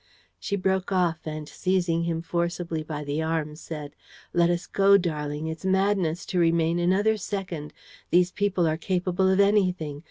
..." She broke off and, seizing him forcibly by the arm, said: "Let us go, darling. It's madness to remain another second. These people are capable of anything.